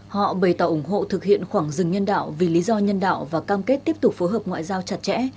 họ bày tỏ ủng hộ thực hiện khoảng rừng nhân đạo vì lý do nhân đạo và cam kết tiếp tục phối hợp ngoại giao chặt chẽ